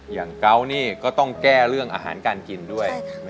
อย่างเกาะนี่ก็ต้องแก้เรื่องอาหารการกินด้วย